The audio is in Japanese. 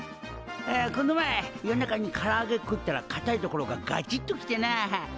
あこの前夜中にからあげ食ったらかたい所がガチッと来てなあ。